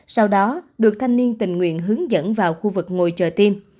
sau đó được thanh niên tình nguyện hướng dẫn vào khu vực ngồi chờ tiêm